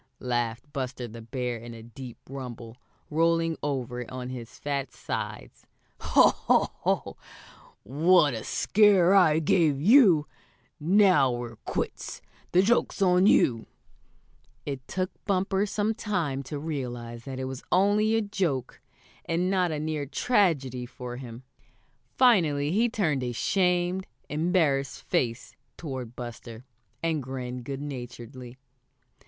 laughed Buster the Bear in a deep rumble, rolling over on his fat sides. "Ho! Ho! Ho! What a scare I gave you! Now we're quits. The joke's on you!" It took Bumper some time to realize that it was only a joke, and not a near tragedy for him. Finally he turned a shamed, embarrassed face toward Buster, and grinned good naturedly.